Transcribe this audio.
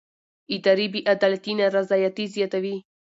اداري بې عدالتي نارضایتي زیاتوي